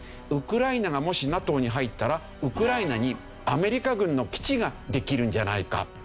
ウクライナがもしＮＡＴＯに入ったらウクライナにアメリカ軍の基地ができるんじゃないか。